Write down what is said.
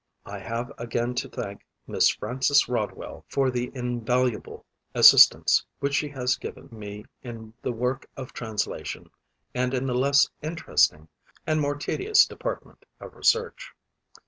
I have again to thank Miss Frances Rodwell for the invaluable assistance which she has given me in the work of translation and in the less interesting and more tedious department of research.